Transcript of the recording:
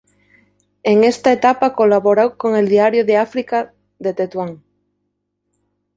En esta etapa colaboró con el "Diario de África", de Tetuán.